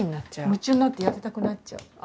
夢中になってやってたくなっちゃう。